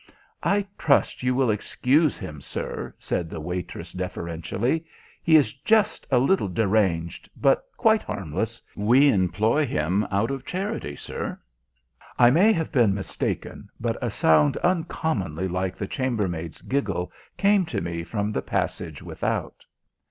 "I trust you will excuse him, sir," said the waitress deferentially. "He is just a little deranged, but quite harmless. We employ him out of charity, sir." I may have been mistaken, but a sound uncommonly like the chambermaid's giggle came to me from the passage without.